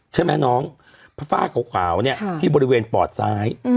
ใช่ไหมน้องฝ้าขาวเนี่ยที่บริเวณปอดซ้าย